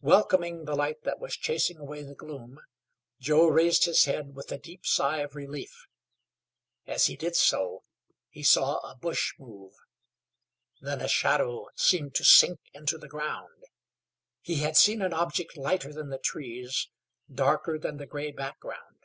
Welcoming the light that was chasing away the gloom, Joe raised his head with a deep sigh of relief. As he did so he saw a bush move; then a shadow seemed to sink into the ground. He had seen an object lighter than the trees, darker than the gray background.